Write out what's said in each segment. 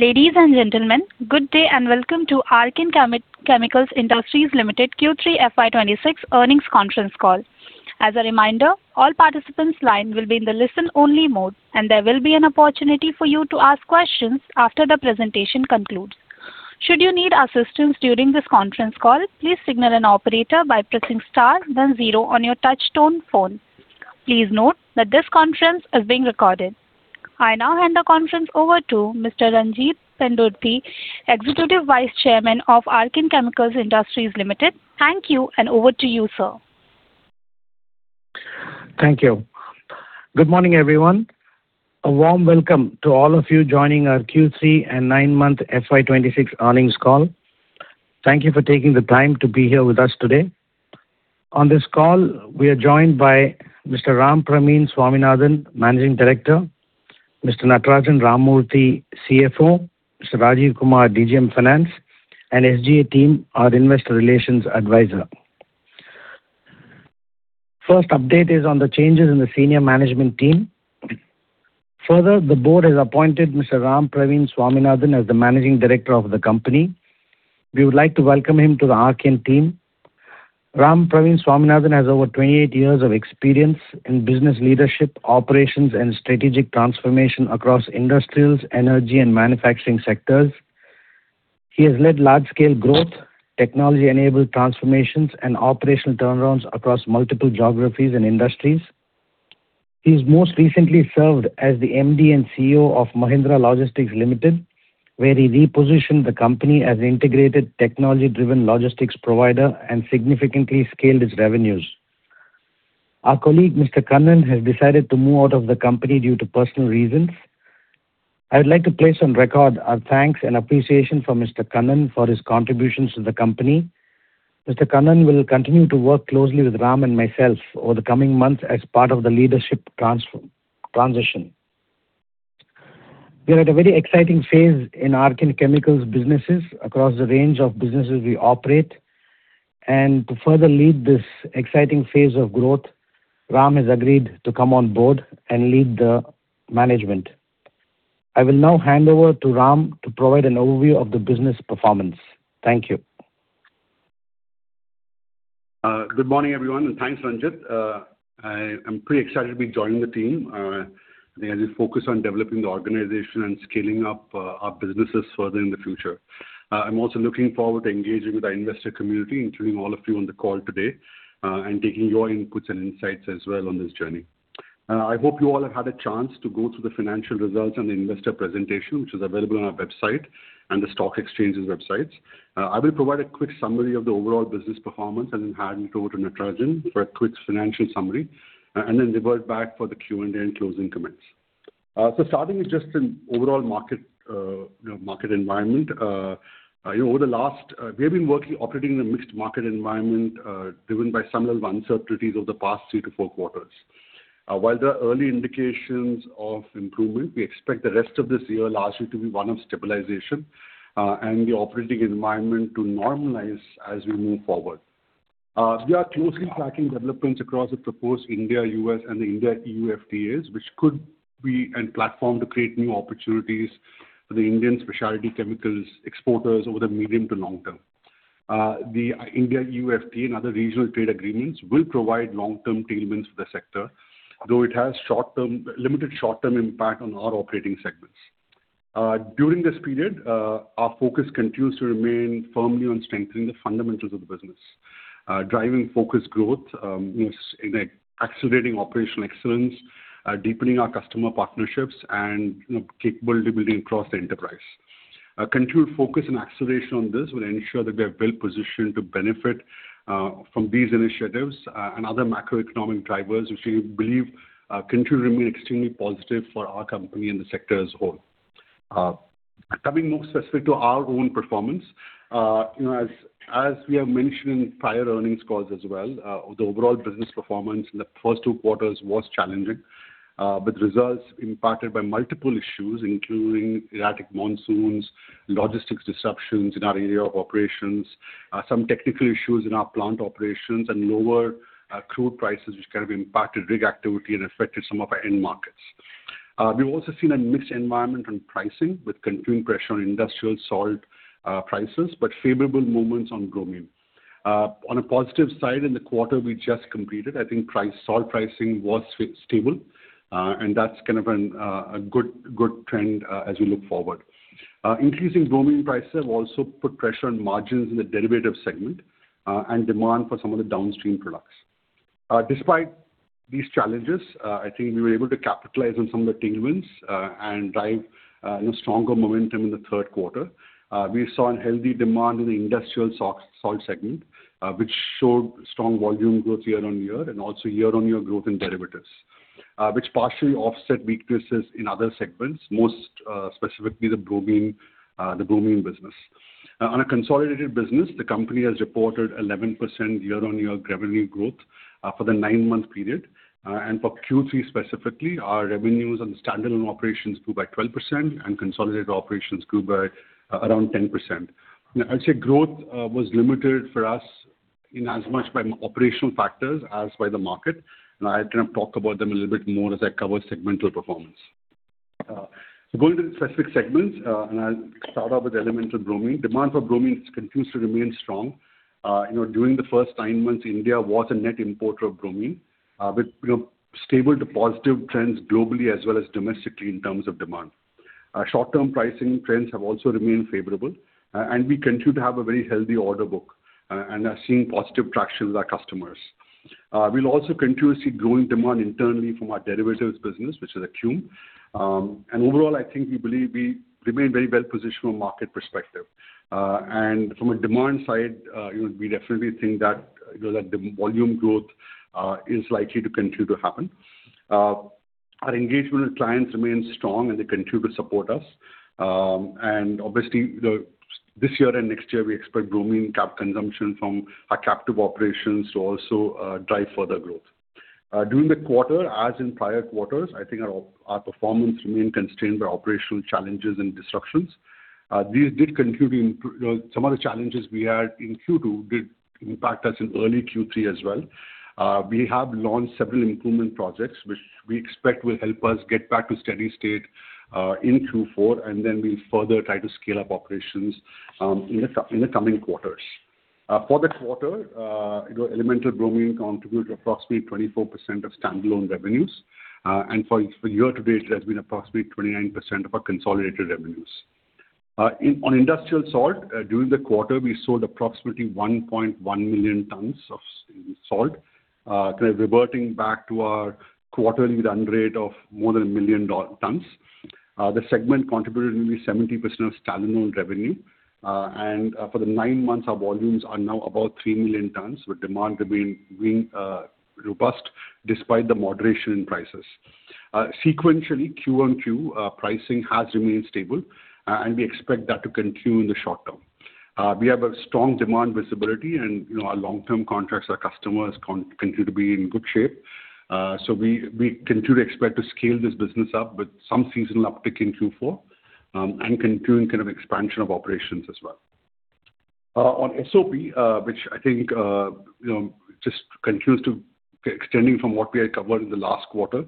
Ladies and gentlemen, good day and welcome to Archean Chemical Industries Limited Q3 FY 2026 earnings conference call. As a reminder, all participants' lines will be in the listen-only mode, and there will be an opportunity for you to ask questions after the presentation concludes. Should you need assistance during this conference call, please signal an operator by pressing star, then zero on your touch-tone phone. Please note that this conference is being recorded. I now hand the conference over to Mr. Ranjit Pendurthi, Executive Vice Chairman of Archean Chemical Industries Limited. Thank you, and over to you, sir. Thank you. Good morning, everyone. A warm welcome to all of you joining our Q3 and nine-month FY 2026 earnings call. Thank you for taking the time to be here with us today. On this call, we are joined by Mr. Rampraveen Swaminathan, Managing Director, Mr. Natarajan Ramamurthy, CFO, Mr. Rajiv Kumar, DGM Finance, and SGA Team, our Investor Relations Advisor. First update is on the changes in the senior management team. Further, the board has appointed Mr. Rampraveen Swaminathan as the Managing Director of the company. We would like to welcome him to the Archean team. Rampraveen Swaminathan has over 28 years of experience in business leadership, operations, and strategic transformation across industrials, energy, and manufacturing sectors. He has led large-scale growth, technology-enabled transformations, and operational turnarounds across multiple geographies and industries. He has most recently served as the MD and CEO of Mahindra Logistics Limited, where he repositioned the company as an integrated, technology-driven logistics provider and significantly scaled its revenues. Our colleague, Mr. Kannan, has decided to move out of the company due to personal reasons. I would like to place on record our thanks and appreciation for Mr. Kannan for his contributions to the company. Mr. Kannan will continue to work closely with Ram and myself over the coming months as part of the leadership transition. We are at a very exciting phase in Archean Chemicals businesses across the range of businesses we operate, and to further lead this exciting phase of growth, Ram has agreed to come on board and lead the management. I will now hand over to Ram to provide an overview of the business performance. Thank you. Good morning, everyone, and thanks, Ranjit. I am pretty excited to be joining the team. I think as we focus on developing the organization and scaling up our businesses further in the future, I'm also looking forward to engaging with our investor community, including all of you on the call today, and taking your inputs and insights as well on this journey. I hope you all have had a chance to go through the financial results and the investor presentation, which is available on our website and the stock exchange's websites. I will provide a quick summary of the overall business performance and then hand it over to Natarajan for a quick financial summary, and then revert back for the Q&A and closing comments. So starting with just an overall market environment, over the last we have been working operating in a mixed market environment driven by some level of uncertainties over the past three to four quarters. While there are early indications of improvement, we expect the rest of this year largely to be one of stabilization and the operating environment to normalize as we move forward. We are closely tracking developments across the proposed India, U.S., and the India-EU FTAs, which could be a platform to create new opportunities for the Indian specialty chemicals exporters over the medium to long term. The India-EU FTA and other regional trade agreements will provide long-term tailwinds for the sector, though it has limited short-term impact on our operating segments. During this period, our focus continues to remain firmly on strengthening the fundamentals of the business, driving focused growth, accelerating operational excellence, deepening our customer partnerships, and capability building across the enterprise. Continued focus and acceleration on this will ensure that we are well positioned to benefit from these initiatives and other macroeconomic drivers, which we believe continue to remain extremely positive for our company and the sector as a whole. Coming more specifically to our own performance, as we have mentioned in prior earnings calls as well, the overall business performance in the first two quarters was challenging, with results impacted by multiple issues, including erratic monsoons, logistics disruptions in our area of operations, some technical issues in our plant operations, and lower crude prices, which kind of impacted rig activity and affected some of our end markets. We've also seen a mixed environment on pricing, with continuing pressure on Industrial Salt prices but favorable movements on bromine. On a positive side, in the quarter we just completed, I think salt pricing was stable, and that's kind of a good trend as we look forward. Increasing bromine prices have also put pressure on margins in the Derivatives segment and demand for some of the downstream products. Despite these challenges, I think we were able to capitalize on some of the tailwinds and drive stronger momentum in the third quarter. We saw a healthy demand in the Industrial Salt segment, which showed strong volume growth year-on-year and also year-on-year growth in Derivatives, which partially offset weaknesses in other segments, most specifically the Bromine business. On a consolidated business, the company has reported 11% year-on-year revenue growth for the nine-month period. For Q3 specifically, our revenues on the standalone operations grew by 12%, and consolidated operations grew by around 10%. I'd say growth was limited for us in as much by operational factors as by the market, and I'll kind of talk about them a little bit more as I cover segmental performance. Going to the specific segments, and I'll start out with elemental bromine. Demand for bromine continues to remain strong. During the first nine months, India was a net importer of bromine, with stable to positive trends globally as well as domestically in terms of demand. Short-term pricing trends have also remained favorable, and we continue to have a very healthy order book and are seeing positive traction with our customers. We'll also continue to see growing demand internally from our Derivatives business, which is Acume. Overall, I think we believe we remain very well positioned from a market perspective. From a demand side, we definitely think that volume growth is likely to continue to happen. Our engagement with clients remains strong, and they continue to support us. Obviously, this year and next year, we expect bromine cap consumption from our captive operations to also drive further growth. During the quarter, as in prior quarters, I think our performance remained constrained by operational challenges and disruptions. These did continue to some of the challenges we had in Q2 did impact us in early Q3 as well. We have launched several improvement projects, which we expect will help us get back to steady state in Q4, and then we'll further try to scale up operations in the coming quarters. For the quarter, elemental bromine contributed approximately 24% of standalone revenues, and for year-to-date, it has been approximately 29% of our consolidated revenues. On Industrial Salt, during the quarter, we sold approximately 1.1 million tons of salt, kind of reverting back to our quarterly run rate of more than a million tons. The segment contributed nearly 70% of standalone revenue, and for the nine months, our volumes are now about 3 million tons, with demand remaining robust despite the moderation in prices. Sequentially, QoQ, pricing has remained stable, and we expect that to continue in the short term. We have a strong demand visibility, and our long-term contracts with our customers continue to be in good shape. So we continue to expect to scale this business up with some seasonal uptick in Q4 and continuing kind of expansion of operations as well. On SOP, which I think just continues to extend from what we had covered in the last quarter,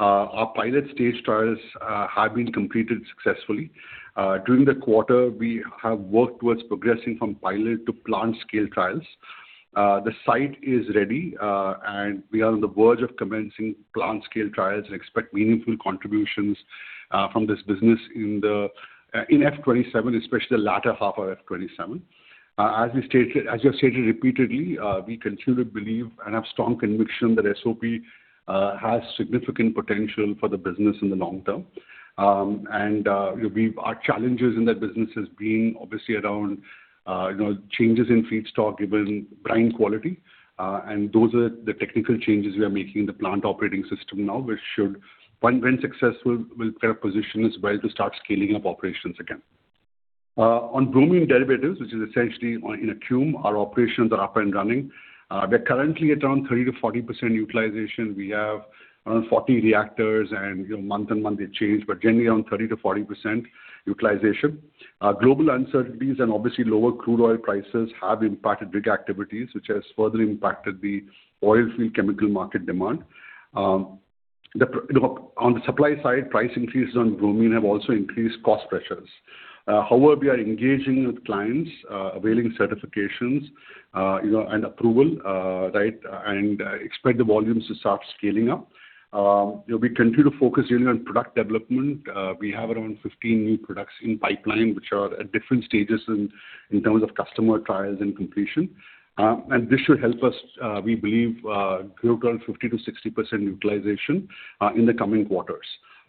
our pilot stage trials have been completed successfully. During the quarter, we have worked towards progressing from pilot to plant-scale trials. The site is ready, and we are on the verge of commencing plant-scale trials and expect meaningful contributions from this business in FY 2027, especially the latter half of FY 2027. As you have stated repeatedly, we continue to believe and have strong conviction that SOP has significant potential for the business in the long term. Our challenges in that business have been obviously around changes in feedstock given brine quality, and those are the technical changes we are making in the plant operating system now, which should, when successful, kind of position us well to start scaling up operations again. On Bromine Derivatives, which is essentially in Acume, our operations are up and running. We're currently at around 30%-40% utilization. We have around 40 reactors, and month-on-month, they change, but generally around 30%-40% utilization. Global uncertainties and obviously lower crude oil prices have impacted rig activities, which has further impacted the oilfield chemical market demand. On the supply side, price increases on bromine have also increased cost pressures. However, we are engaging with clients, availing certifications and approval, right, and expect the volumes to start scaling up. We continue to focus really on product development. We have around 15 new products in pipeline, which are at different stages in terms of customer trials and completion. And this should help us, we believe, grow to around 50%-60% utilization in the coming quarters.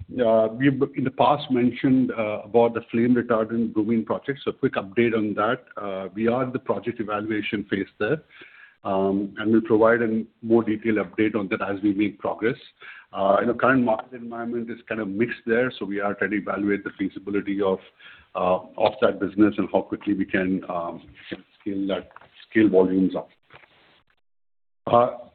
We have, in the past, mentioned about the flame-retardant bromine project, so a quick update on that. We are at the project evaluation phase there, and we'll provide a more detailed update on that as we make progress. The current market environment is kind of mixed there, so we are trying to evaluate the feasibility of that business and how quickly we can scale volumes up.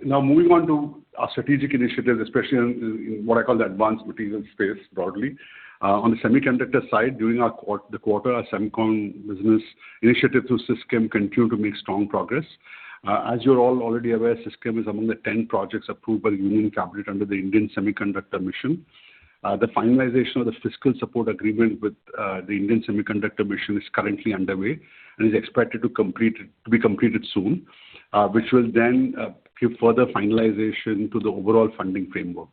Now, moving on to our strategic initiatives, especially in what I call the advanced materials space broadly. On the semiconductor side, during the quarter, our Semicon business initiative through SiCSem continued to make strong progress. As you're all already aware, SiCSem is among the 10 projects approved by the Union Cabinet under the Indian Semiconductor Mission. The finalization of the fiscal support agreement with the Indian Semiconductor Mission is currently underway and is expected to be completed soon, which will then give further finalization to the overall funding framework.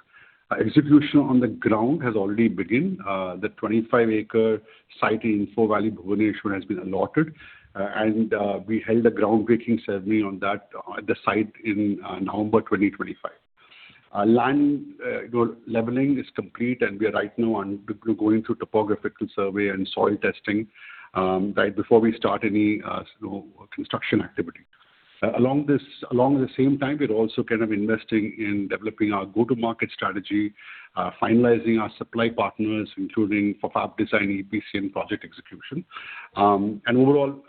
Execution on the ground has already begun. The 25-acre site in Infovalley, Bhubaneswar, has been allotted, and we held a groundbreaking ceremony on that at the site in November 2025. Land leveling is complete, and we are right now going through topographical survey and soil testing right before we start any construction activity. Along the same time, we're also kind of investing in developing our go-to-market strategy, finalizing our supply partners, including for fab design, EPC, and project execution. And overall,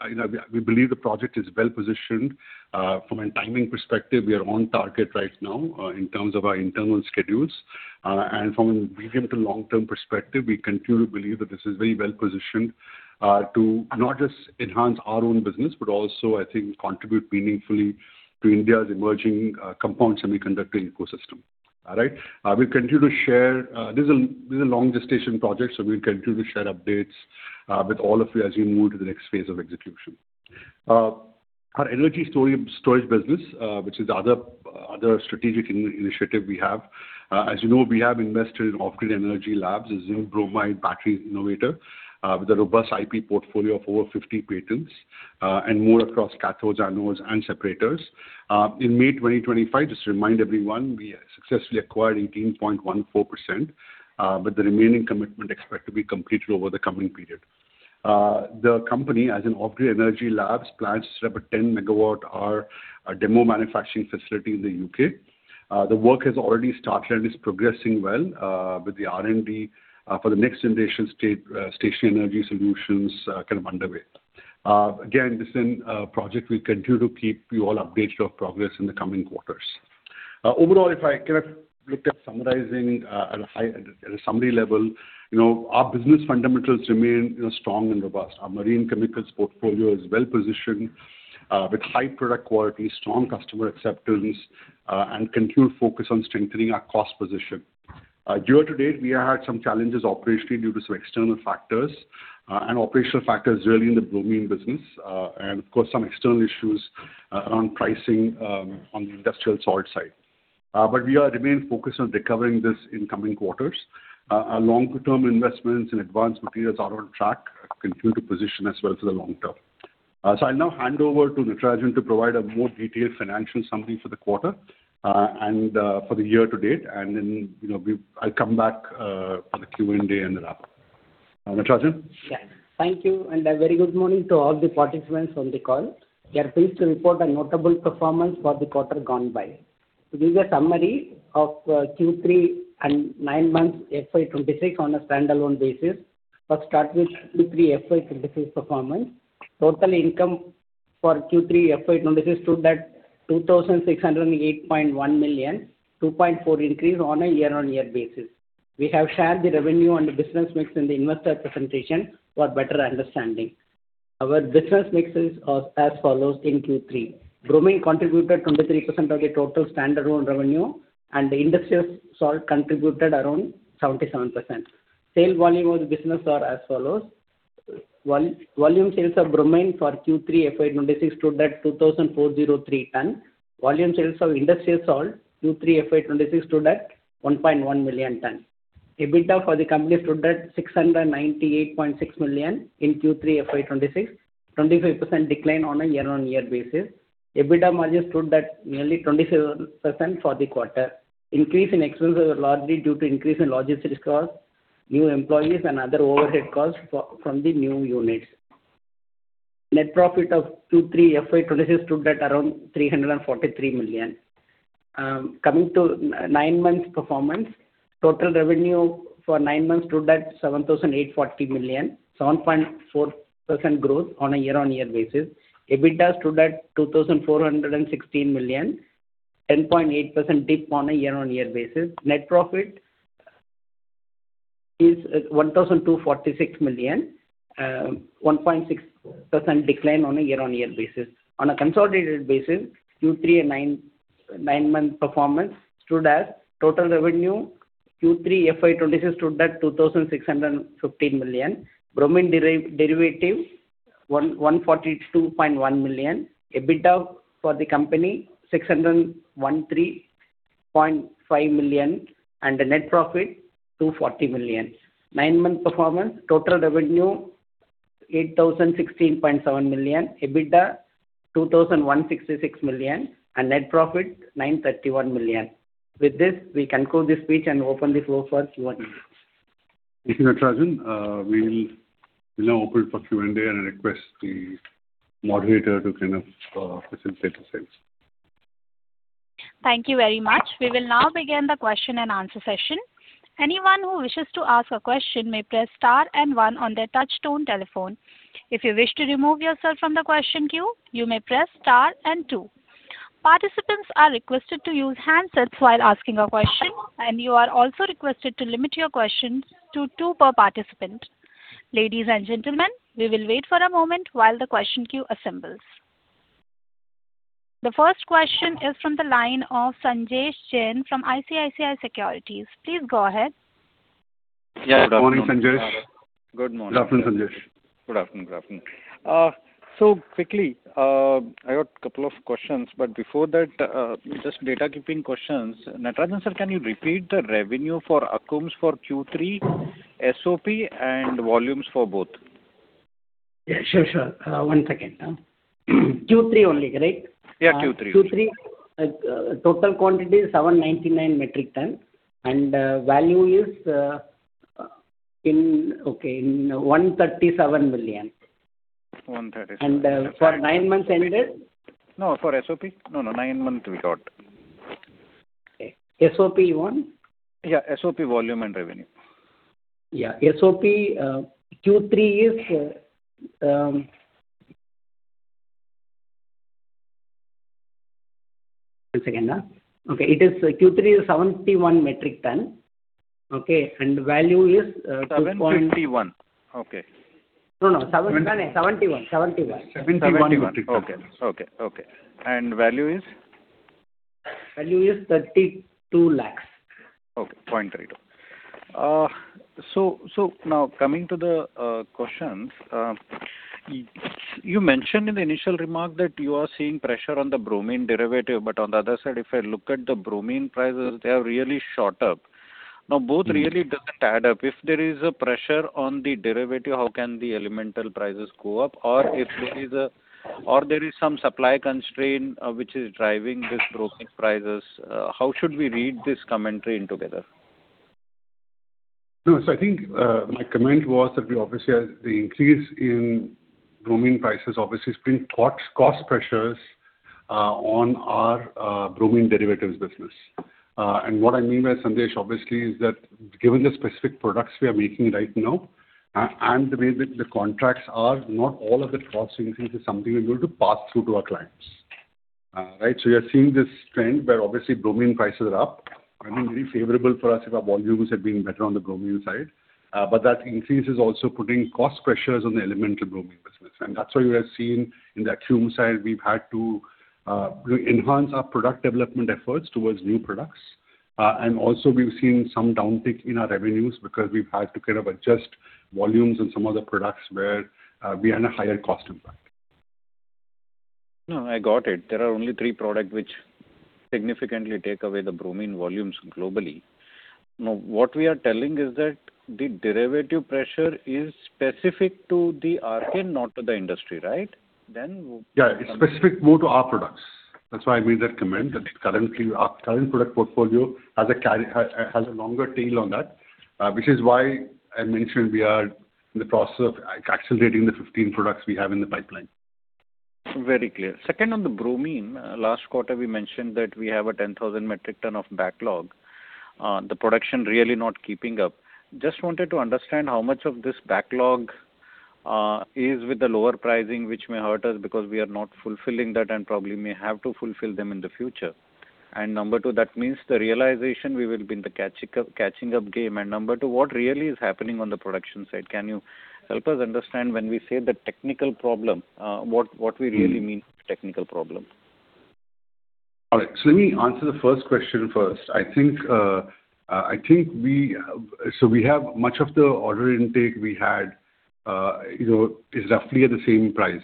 we believe the project is well positioned. From a timing perspective, we are on target right now in terms of our internal schedules. From a medium to long-term perspective, we continue to believe that this is very well positioned to not just enhance our own business but also, I think, contribute meaningfully to India's emerging compound semiconductor ecosystem, all right? We'll continue to share this is a long-gestation project, so we'll continue to share updates with all of you as we move to the next phase of execution. Our energy storage business, which is the other strategic initiative we have, as you know, we have invested in Offgrid Energy Labs, a zinc bromide battery innovator with a robust IP portfolio of over 50 patents and more across cathodes, anodes, and separators. In May 2025, just to remind everyone, we successfully acquired 18.14%, with the remaining commitment expected to be completed over the coming period. The company, as an Offgrid Energy Labs, plans to set up a 10 MWh demo manufacturing facility in the U.K. The work has already started and is progressing well with the R&D for the next generation stationary energy solutions kind of underway. Again, this is a project we'll continue to keep you all updated on progress in the coming quarters. Overall, if I kind of looked at summarizing at a summary level, our business fundamentals remain strong and robust. Our Marine Chemicals portfolio is well positioned with high product quality, strong customer acceptance, and continued focus on strengthening our cost position. Year-to-date, we have had some challenges operationally due to some external factors, and operational factors really in the Bromine business, and of course, some external issues around pricing on the Industrial Salt side. But we remain focused on recovering this in coming quarters. Our long-term investments in advanced materials are on track, continue to position as well for the long term. So I'll now hand over to Natarajan to provide a more detailed financial summary for the quarter and for the year-to-date, and then I'll come back for the Q&A and the wrap. Natarajan? Yes. Thank you, and a very good morning to all the participants on the call. We are pleased to report a notable performance for the quarter gone by. To give you a summary of Q3 and nine months FY 2026 on a standalone basis, let's start with Q3 FY 2026 performance. Total income for Q3 FY 2026 stood at 2,608.1 million, 2.4% increase on a year-on-year basis. We have shared the revenue and the business mix in the investor presentation for better understanding. Our business mix is as follows in Q3: Bromine contributed 23% of the total standalone revenue, and Industrial Salt contributed around 77%. Sale volume of the business are as follows: volume sales of Bromine for Q3 FY 2026 stood at 2,403 tons. Volume sales of Industrial Salt Q3 FY 2026 stood at 1.1 million tons. EBITDA for the company stood at 698.6 million in Q3 FY 2026, 25% decline on a year-on-year basis. EBITDA margin stood at nearly 27% for the quarter. Increase in expenses was largely due to increase in logistics costs, new employees, and other overhead costs from the new units. Net profit of Q3 FY 2026 stood at around 343 million. Coming to nine-month performance, total revenue for nine months stood at 7,840 million, 7.4% growth on a year-on-year basis. EBITDA stood at 2,416 million, 10.8% dip on a year-on-year basis. Net profit is 1,246 million, 1.6% decline on a year-on-year basis. On a consolidated basis, Q3 and nine-month performance stood as total revenue Q3 FY 2026 stood at 2,615 million, Bromine Derivatives 142.1 million, EBITDA for the company 613.5 million, and net profit 240 million. Nine-month performance, total revenue 8,016.7 million, EBITDA 2,166 million, and net profit 931 million. With this, we conclude this speech and open the floor for Q&A. Thank you, Natarajan. We will now open for Q&A and request the moderator to kind of facilitate the session. Thank you very much. We will now begin the question-and-answer session. Anyone who wishes to ask a question may press star and one on their touch-tone telephone. If you wish to remove yourself from the question queue, you may press star and two. Participants are requested to use handsets while asking a question, and you are also requested to limit your questions to two per participant. Ladies and gentlemen, we will wait for a moment while the question queue assembles. The first question is from the line of Sanjesh Jain from ICICI Securities. Please go ahead. Yeah. Good morning, Sanjesh. Good afternoon, Sanjesh. Good afternoon. Good afternoon. So quickly, I got a couple of questions, but before that, just data-keeping questions. Natarajan sir, can you repeat the revenue for Acume's for Q3, SOP, and volumes for both? Yeah. Sure, sure. One second. Q3 only, right? Yeah, Q3 only. Q3 total quantity is 799 metric tons, and value is INR 137 million. One thirty-seven million. For nine-months ended? No, for SOP. No, no. 9 months we got. Okay. SOP you want? Yeah. SOP, volume, and revenue. Yeah. SOP, Q3 is one second. Okay. Q3 is 71 metric tons, okay, and value is— Seven fifty-one? Okay. No, no. 71. 71. 71. Okay. Okay. Okay. And value is? Value is 32 lakh. Okay. So now, coming to the questions, you mentioned in the initial remark that you are seeing pressure on the Bromine Derivatives, but on the other side, if I look at the bromine prices, they have really shot up. Now, both really doesn't add up. If there is a pressure on the derivatives, how can the elemental prices go up? Or if there is some supply constraint which is driving these bromine prices, how should we read this commentary together? No, so I think my comment was that we obviously the increase in bromine prices obviously has been cost pressures on our Bromine Derivatives business. And what I mean by Sanjesh, obviously, is that given the specific products we are making right now and the way that the contracts are, not all of the cost increase is something we're able to pass through to our clients, right? So you're seeing this trend where obviously bromine prices are up. I mean, very favorable for us if our volumes had been better on the Bromine side, but that increase is also putting cost pressures on the elemental bromine business. And that's why you have seen in the Acume side, we've had to enhance our product development efforts towards new products. Also, we've seen some downtick in our revenues because we've had to kind of adjust volumes on some of the products where we had a higher cost impact. No, I got it. There are only three products which significantly take away the bromine volumes globally. Now, what we are telling is that the derivatives pressure is specific to the Archean and not to the industry, right? Then. Yeah. It's specific more to our products. That's why I made that comment, that current product portfolio has a longer tail on that, which is why I mentioned we are in the process of accelerating the 15 products we have in the pipeline. Very clear. Second, on the Bromine, last quarter, we mentioned that we have a 10,000 metric tons of backlog. The production is really not keeping up. Just wanted to understand how much of this backlog is with the lower pricing, which may hurt us because we are not fulfilling that and probably may have to fulfill them in the future. And number two, that means the realization we will be in the catching-up game. And number two, what really is happening on the production side? Can you help us understand when we say the technical problem, what we really mean by technical problem? All right. So let me answer the first question first. I think we so we have much of the order intake we had is roughly at the same price.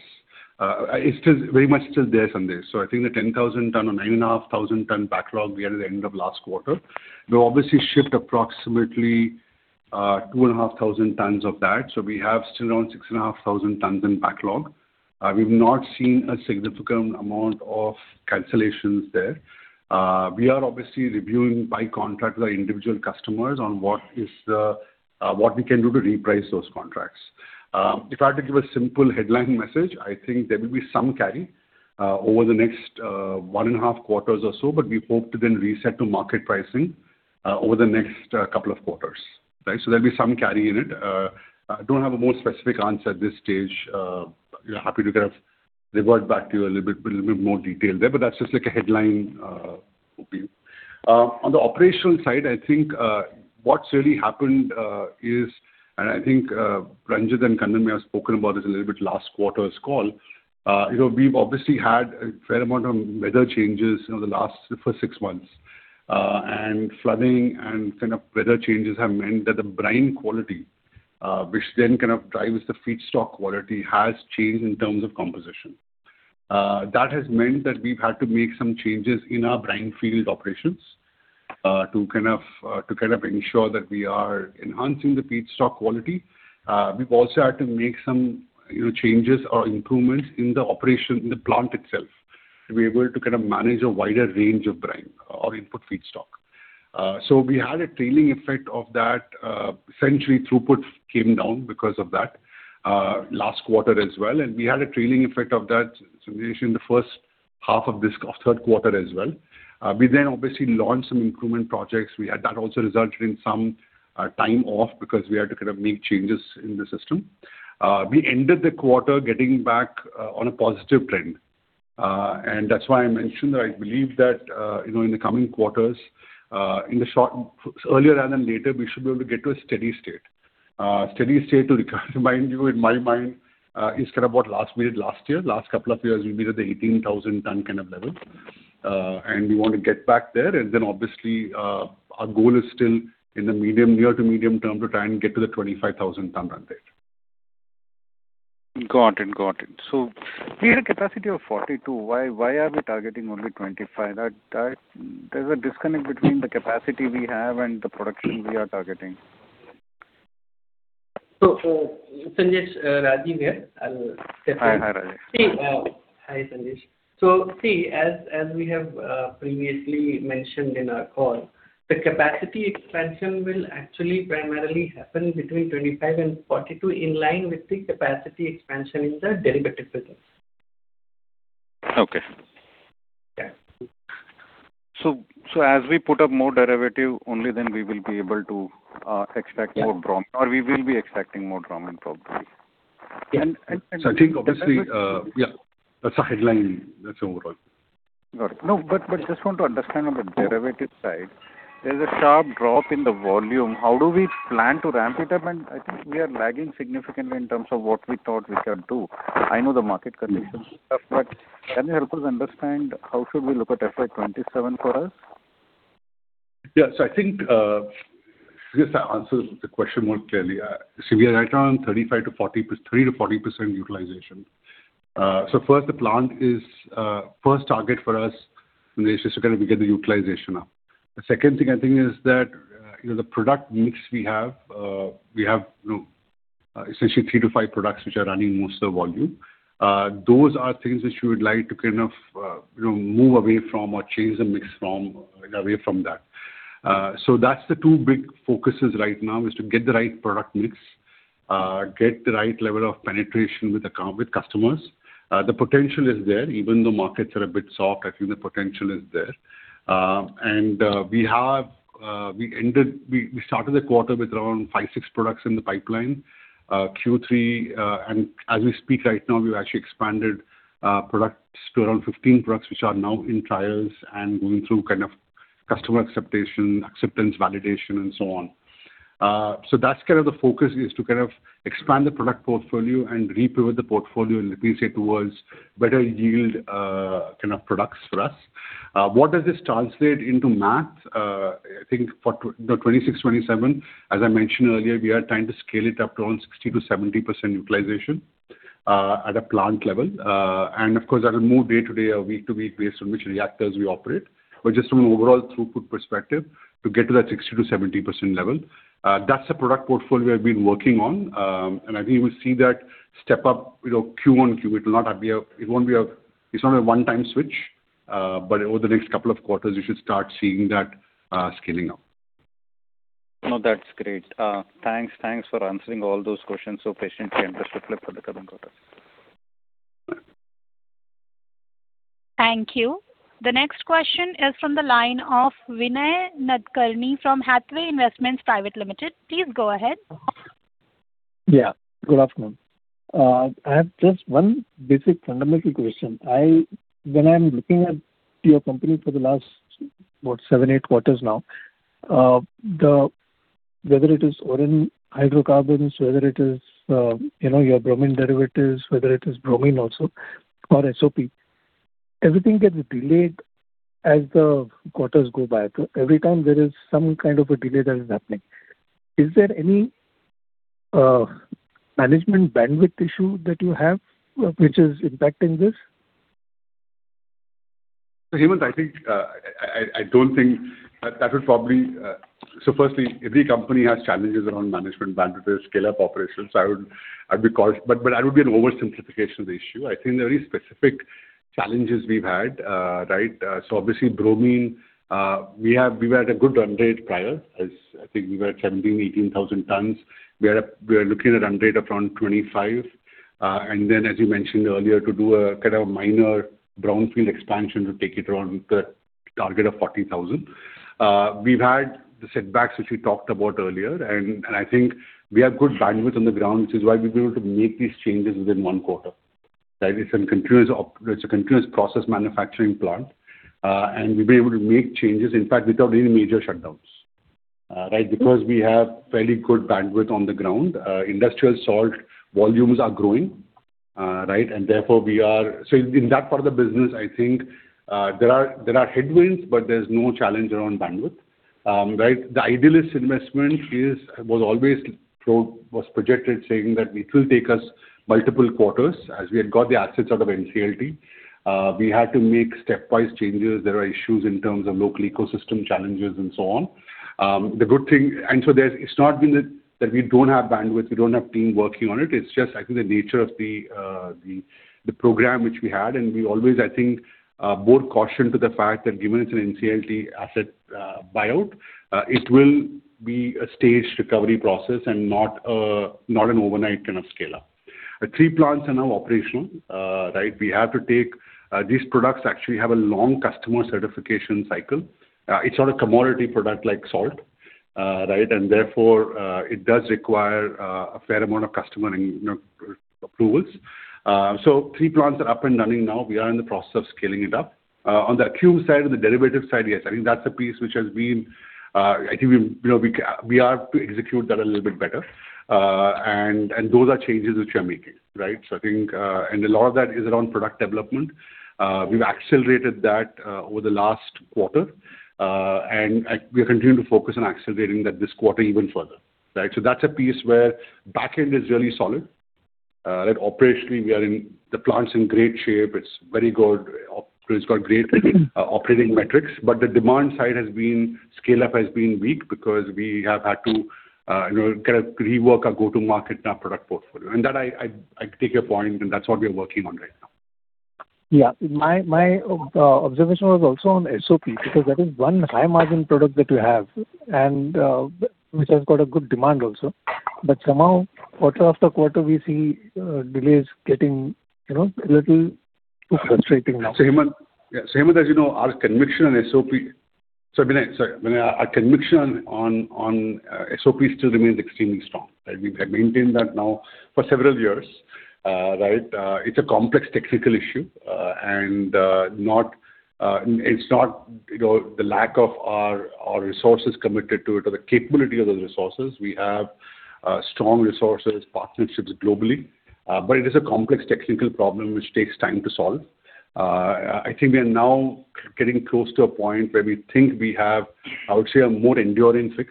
It's very much still there, Sanjesh. So I think the 10,000-ton or 9,500-ton backlog we had at the end of last quarter, we obviously shipped approximately 2,500 tons of that. So we have still around 6,500 tons in backlog. We've not seen a significant amount of cancellations there. We are obviously reviewing by contract with our individual customers on what we can do to reprice those contracts. If I had to give a simple headline message, I think there will be some carry over the next one and a half quarters or so, but we hope to then reset to market pricing over the next couple of quarters, right? So there'll be some carry in it. I don't have a more specific answer at this stage. Happy to kind of revert back to you a little bit more detail there, but that's just a headline view. On the operational side, I think what's really happened is, and I think Ranjit and Kannan may have spoken about this a little bit last quarter's call, we've obviously had a fair amount of weather changes over the last first six months. And flooding and kind of weather changes have meant that the brine quality, which then kind of drives the feedstock quality, has changed in terms of composition. That has meant that we've had to make some changes in our brine field operations to kind of ensure that we are enhancing the feedstock quality. We've also had to make some changes or improvements in the plant itself to be able to kind of manage a wider range of brine or input feedstock. So we had a trailing effect of that. Essentially, throughput came down because of that last quarter as well. And we had a trailing effect of that, Sanjesh, in the first half of this third quarter as well. We then obviously launched some improvement projects. That also resulted in some time off because we had to kind of make changes in the system. We ended the quarter getting back on a positive trend. And that's why I mentioned that I believe that in the coming quarters, earlier rather than later, we should be able to get to a steady state. Steady state, to remind you, in my mind, is kind of what last we did last year. Last couple of years, we made it the 18,000-ton kind of level. We want to get back there. Then obviously, our goal is still in the near to medium term to try and get to the 25,000-ton run rate. Got it. Got it. So we had a capacity of 42. Why are we targeting only 25? There's a disconnect between the capacity we have and the production we are targeting. Sanjesh, Rajiv here. I'll step in. Hi. Hi, Rajiv. Hi, Sanjesh. So see, as we have previously mentioned in our call, the capacity expansion will actually primarily happen between 2025 and 2042 in line with the capacity expansion in the Derivatives business. Okay. Yeah. As we put up more derivatives, only then we will be able to extract more bromine, or we will be extracting more bromine, probably. I think obviously, yeah, that's a headline. That's overall. Got it. No, but just want to understand on the Derivatives side, there's a sharp drop in the volume. How do we plan to ramp it up? And I think we are lagging significantly in terms of what we thought we could do. I know the market conditions and stuff, but can you help us understand how should we look at FY 2027 for us? Yeah. So I think just to answer the question more clearly, see, we are right around 30%-40% utilization. So first, the plant is first target for us, Sanjesh, is to kind of get the utilization up. The second thing I think is that the product mix we have we have essentially three to five products which are running most of the volume. Those are things which we would like to kind of move away from or change the mix from away from that. So that's the two big focuses right now, is to get the right product mix, get the right level of penetration with customers. The potential is there. Even though markets are a bit soft, I think the potential is there. And we started the quarter with around five to six products in the pipeline.Q3, and as we speak right now, we've actually expanded products to around 15 products which are now in trials and going through kind of customer acceptance, validation, and so on. So that's kind of the focus, is to kind of expand the product portfolio and repivot the portfolio, let me say, towards better-yield kind of products for us. What does this translate into math? I think for 2026, 2027, as I mentioned earlier, we are trying to scale it up to around 60%-70% utilization at a plant level. And of course, that'll move day-to-day or week-to-week based on which reactors we operate. But just from an overall throughput perspective, to get to that 60%-70% level, that's a product portfolio we have been working on. And I think you will see that step up QoQ. It's not a one-time switch, but over the next couple of quarters, you should start seeing that scaling up. No, that's great. Thanks. Thanks for answering all those questions so patiently and disciplined for the coming quarters. Thank you. The next question is from the line of Vinay Nadkarni from Hathway Investments Private Limited. Please go ahead. Yeah. Good afternoon. I have just one basic fundamental question. When I'm looking at your company for the last, what, seven, eight quarters now, whether it is Oren Hydrocarbons, whether it is your bromine derivatives, whether it is bromine also, or SOP, everything gets delayed as the quarters go by. So every time there is some kind of a delay that is happening. Is there any management bandwidth issue that you have which is impacting this? So Vinay, firstly, every company has challenges around management bandwidth, scale-up operations. So I would be cautious, but that would be an oversimplification of the issue. I think there are very specific challenges we've had, right? So obviously, bromine, we were at a good run rate prior. I think we were at 17,000 tons, 18,000 tons. We are looking at a run rate of around 25. And then, as you mentioned earlier, to do kind of a minor brownfield expansion to take it around the target of 40,000 tons. We've had the setbacks which we talked about earlier. And I think we have good bandwidth on the ground, which is why we've been able to make these changes within one quarter, right? It's a continuous process manufacturing plant. We've been able to make changes, in fact, without any major shutdowns, right, because we have fairly good bandwidth on the ground. Industrial Salt volumes are growing, right? Therefore, we are so in that part of the business, I think there are headwinds, but there's no challenge around bandwidth, right? The Idealis investment was always projected saying that it will take us multiple quarters. As we had got the assets out of NCLT, we had to make stepwise changes. There are issues in terms of local ecosystem challenges and so on. The good thing and so it's not been that we don't have bandwidth. We don't have team working on it. It's just, I think, the nature of the program which we had. We always, I think, bore caution to the fact that given it's an NCLT asset buyout, it will be a staged recovery process and not an overnight kind of scale-up. Three plants are now operational, right? We have to take these products actually have a long customer certification cycle. It's not a commodity product like salt, right? And therefore, it does require a fair amount of customer approvals. So three plants are up and running now. We are in the process of scaling it up. On the Acume side, on the Derivative side, yes. I think that's a piece which has been I think we are to execute that a little bit better. And those are changes which we are making, right? And a lot of that is around product development. We've accelerated that over the last quarter. And we are continuing to focus on accelerating that this quarter even further, right? So that's a piece where backend is really solid, right? Operationally, the plant's in great shape. It's very good. It's got great operating metrics. But the demand side has been scale-up has been weak because we have had to kind of rework our go-to-market now product portfolio. And I take your point, and that's what we are working on right now. Yeah. My observation was also on SOP because that is one high-margin product that we have which has got a good demand also. But somehow, quarter-after-quarter, we see delays getting a little too frustrating now. As you know, our conviction on SOP—Vinay, sorry. Vinay, our conviction on SOP still remains extremely strong, right? We have maintained that now for several years, right? It's a complex technical issue. It's not the lack of our resources committed to it or the capability of those resources. We have strong resources, partnerships globally. It is a complex technical problem which takes time to solve. I think we are now getting close to a point where we think we have, I would say, a more enduring fix.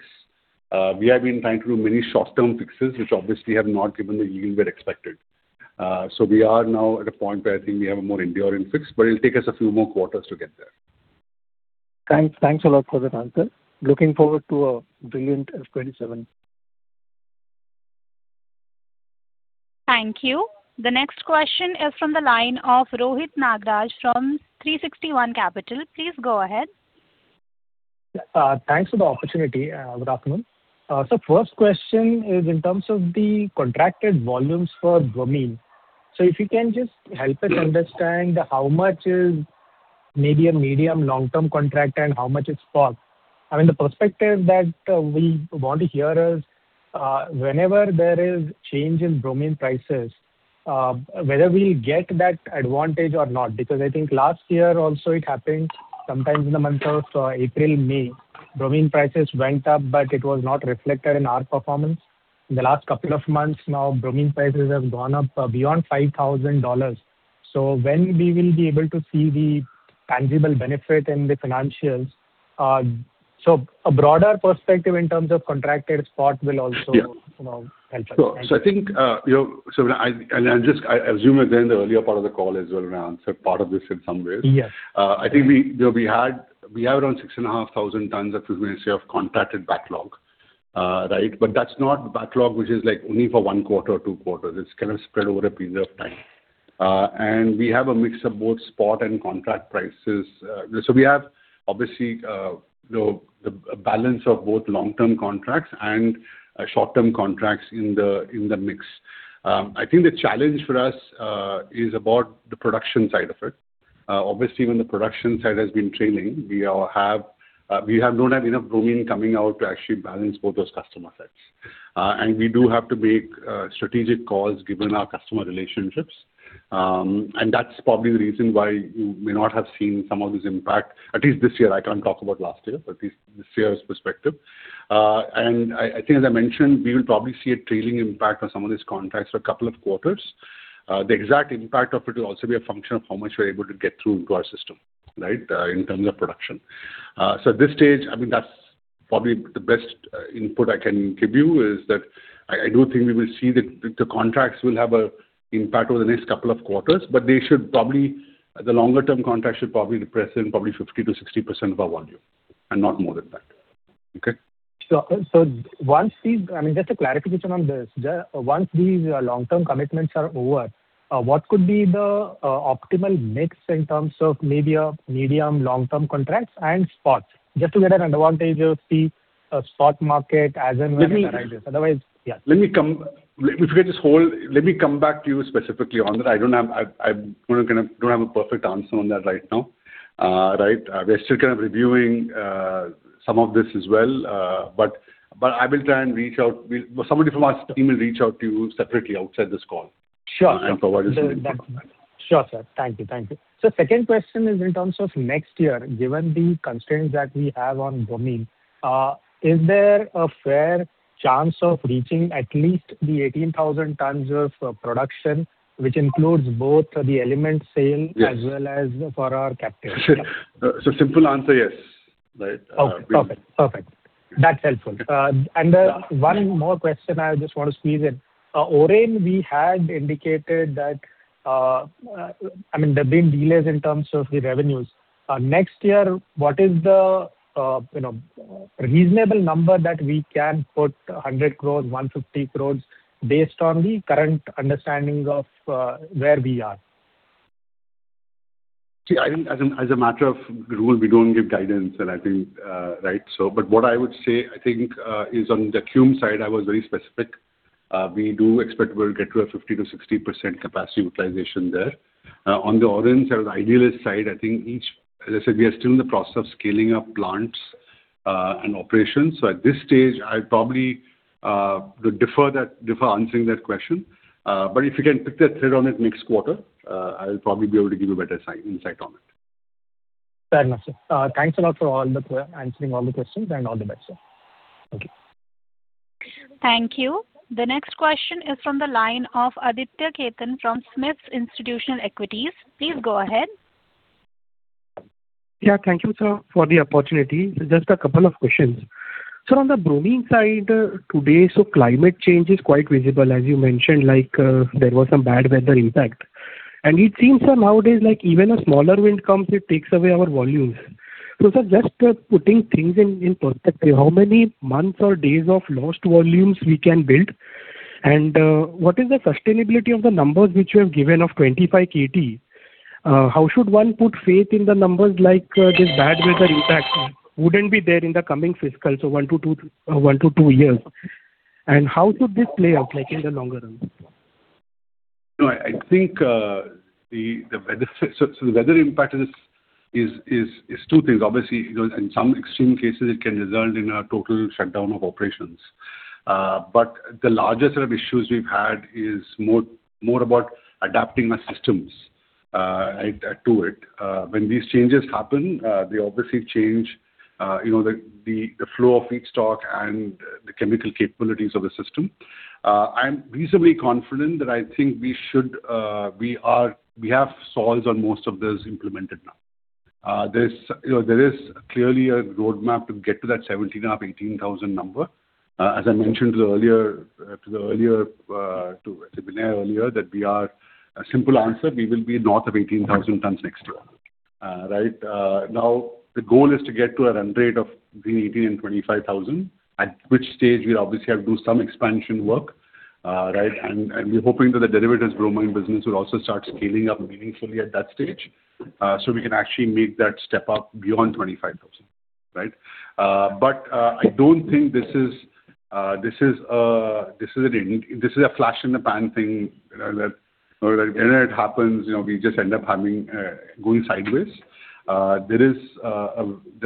We have been trying to do many short-term fixes which obviously have not given the yield we had expected. We are now at a point where I think we have a more enduring fix, but it'll take us a few more quarters to get there. Thanks a lot for that answer. Looking forward to a brilliant FY 2027. Thank you. The next question is from the line of Rohit Nagraj from 360 ONE Capital. Please go ahead. Thanks for the opportunity. Good afternoon. So first question is in terms of the contracted volumes for bromine. So if you can just help us understand how much is maybe a medium-long-term contract and how much is spot. I mean, the perspective that we want to hear is whenever there is change in bromine prices, whether we'll get that advantage or not. Because I think last year also, it happened sometimes in the month of April, May, bromine prices went up, but it was not reflected in our performance. In the last couple of months now, bromine prices have gone up beyond $5,000. So when we will be able to see the tangible benefit in the financials so a broader perspective in terms of contracted spot will also help us. So I think so Vinay, and I assume again the earlier part of the call as well, Vinay, answered part of this in some ways. I think we have around 6,500 tons of, as we say, of contracted backlog, right? But that's not backlog which is only for one quarter or two quarters. It's kind of spread over a period of time. And we have a mix of both spot and contract prices. So we have obviously the balance of both long-term contracts and short-term contracts in the mix. I think the challenge for us is about the production side of it. Obviously, when the production side has been trailing, we have not had enough bromine coming out to actually balance both those customer sets. And we do have to make strategic calls given our customer relationships. That's probably the reason why you may not have seen some of this impact at least this year. I can't talk about last year, but at least this year's perspective. I think, as I mentioned, we will probably see a trailing impact on some of these contracts for a couple of quarters. The exact impact of it will also be a function of how much we're able to get through into our system, right, in terms of production. So at this stage, I mean, that's probably the best input I can give you is that I do think we will see that the contracts will have an impact over the next couple of quarters. They should probably the longer-term contracts should probably represent probably 50%-60% of our volume and not more than that, okay? So I mean, just a clarification on this. Once these long-term commitments are over, what could be the optimal mix in terms of maybe medium-long-term contracts and spot? Just to get an advantage of the spot market as and when it arises. Otherwise, yes. Let me come back to you specifically on that. I don't have a perfect answer on that right now, right? We're still kind of reviewing some of this as well. But I will try and reach out. Somebody from our team will reach out to you separately outside this call and provide you some information. Sure, sir. Thank you. Thank you. So second question is in terms of next year, given the constraints that we have on bromine, is there a fair chance of reaching at least the 18,000 tons of production which includes both the element sale as well as for our captive? Simple answer, yes, right? Okay. Perfect. Perfect. That's helpful. One more question I just want to squeeze in. Oren, we had indicated that I mean, there have been delays in terms of the revenues. Next year, what is the reasonable number that we can put 100 crore, 150 crore based on the current understanding of where we are? See, as a matter of rule, we don't give guidance, right? But what I would say, I think, is on the Acume side, I was very specific. We do expect we'll get to a 50%-60% capacity utilization there. On the Oren side, on the Idealis side, I think each as I said, we are still in the process of scaling up plants and operations. So at this stage, I'd probably defer answering that question. But if you can pick the thread on it next quarter, I'll probably be able to give you better insight on it. Fair enough, sir. Thanks a lot for answering all the questions and all the best, sir. Thank you. Thank you. The next question is from the line of Aditya Khetan from SMIFS Institutional Equities. Please go ahead. Yeah. Thank you, sir, for the opportunity. Just a couple of questions. So on the Bromine side today, so climate change is quite visible, as you mentioned, like there was some bad weather impact. And it seems nowadays even a smaller wind comes, it takes away our volumes. So sir, just putting things in perspective, how many months or days of lost volumes we can build? And what is the sustainability of the numbers which you have given of 25 kiloton? How should one put faith in the numbers like this bad weather impact wouldn't be there in the coming fiscal, so one to two years? And how should this play out in the longer run? No, I think the weather so the weather impact is two things. Obviously, in some extreme cases, it can result in a total shutdown of operations. But the larger set of issues we've had is more about adapting our systems, right, to it. When these changes happen, they obviously change the flow of each stock and the chemical capabilities of the system. I'm reasonably confident that I think we should we have solves on most of this implemented now. There is clearly a roadmap to get to that 17,000 tons-18,000 tons number. As I mentioned to the earlier to Vinay earlier that we are a simple answer, we will be north of 18,000 tons next year, right? Now, the goal is to get to a run rate of between 18,000 tons and 25,000 tons, at which stage we obviously have to do some expansion work, right? We're hoping that the Bromine Derivatives business will also start scaling up meaningfully at that stage so we can actually make that step up beyond 25,000 tons, right? But I don't think this is a flash-in-the-pan thing that whenever it happens, we just end up going sideways. There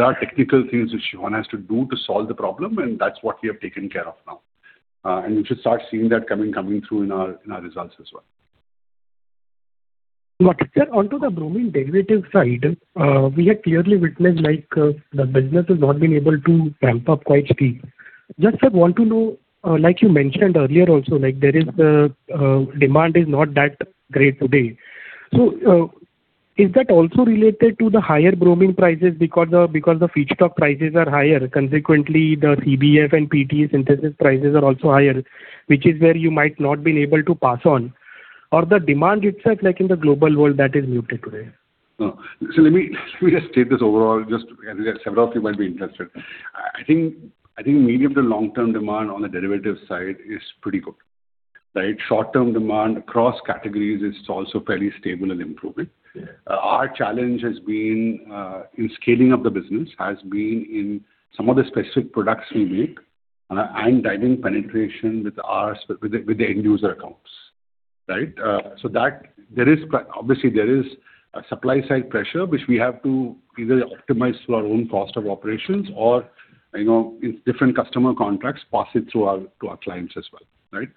are technical things which one has to do to solve the problem, and that's what we have taken care of now. We should start seeing that coming through in our results as well. Got it. Sir, onto the Bromine Derivatives side, we have clearly witnessed the business has not been able to ramp up quite steep. Just, sir, want to know like you mentioned earlier also, there is the demand is not that great today. So is that also related to the higher bromine prices because the feedstock prices are higher? Consequently, the CBF and PT synthesis prices are also higher, which is where you might not have been able to pass on? Or the demand itself in the global world, that is muted today? So let me just state this overall, just as several of you might be interested. I think medium- to long-term demand on the Derivative side is pretty good, right? Short-term demand across categories is also fairly stable and improving. Our challenge has been in scaling up the business has been in some of the specific products we make and driving penetration with the end-user accounts, right? So obviously, there is supply-side pressure which we have to either optimize through our own cost of operations or in different customer contracts, pass it through our clients as well, right?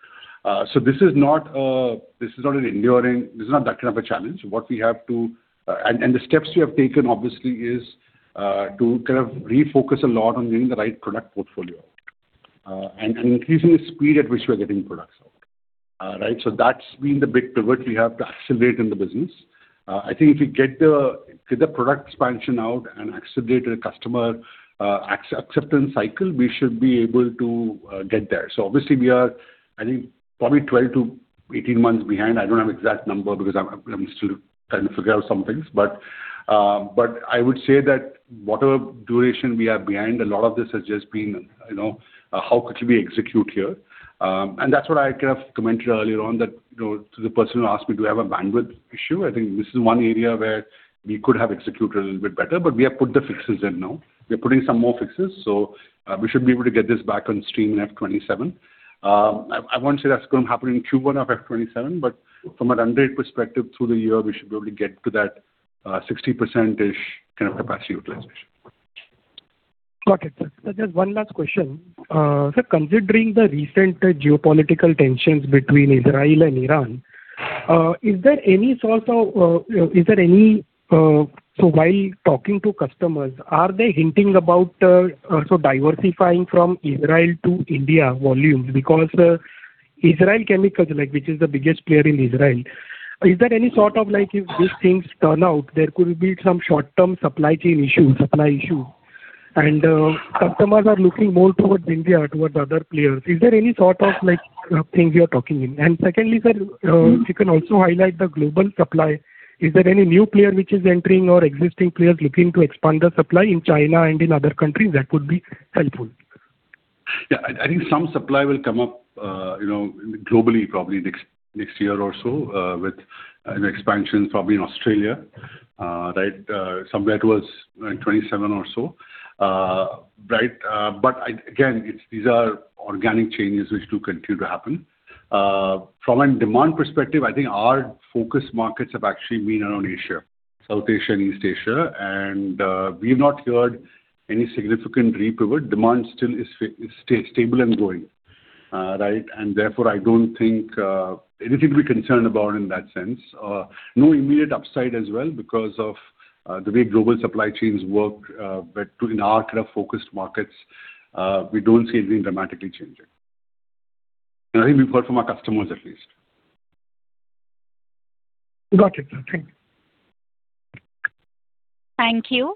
So this is not an enduring this is not that kind of a challenge. What we have to and the steps we have taken, obviously, is to kind of refocus a lot on getting the right product portfolio out and increasing the speed at which we're getting products out, right? So that's been the big pivot we have to accelerate in the business. I think if we get the product expansion out and accelerate the customer acceptance cycle, we should be able to get there. So obviously, we are, I think, probably 12-18 months behind. I don't have an exact number because I'm still trying to figure out some things. But I would say that whatever duration we are behind, a lot of this has just been how quickly we execute here. And that's what I kind of commented earlier on that to the person who asked me, "Do you have a bandwidth issue?" I think this is one area where we could have executed a little bit better. But we have put the fixes in now. We are putting some more fixes. So we should be able to get this back on stream in FY 2027. I won't say that's going to happen in Q1 of FY 2027, but from an underrated perspective, through the year, we should be able to get to that 60%-ish kind of capacity utilization. Got it, sir. So just one last question. Sir, considering the recent geopolitical tensions between Israel and Iran, is there any, so while talking to customers, are they hinting about diversifying from Israel to India volumes? Because Israel Chemicals, which is the biggest player in Israel, is there any sort of if these things turn out, there could be some short-term supply chain issues, supply issues. And customers are looking more towards India, towards other players. Is there any sort of things you're talking in? And secondly, sir, if you can also highlight the global supply, is there any new player which is entering or existing players looking to expand the supply in China and in other countries? That would be helpful. Yeah. I think some supply will come up globally probably next year or so with expansion probably in Australia, right, somewhere towards 2027 or so, right? But again, these are organic changes which do continue to happen. From a demand perspective, I think our focus markets have actually been around Asia, South Asia, and East Asia. And we have not heard any significant repivot. Demand still is stable and growing, right? And therefore, I don't think anything to be concerned about in that sense. No immediate upside as well because of the way global supply chains work in our kind of focused markets. We don't see anything dramatically changing. And I think we've heard from our customers at least. Got it, sir. Thank you. Thank you.